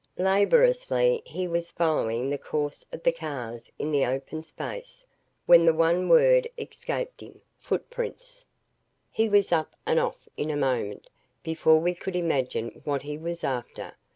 Laboriously he was following the course of the cars in the open space, when the one word escaped him, "Footprints!" He was up and off in a moment, before we could imagine what he was after.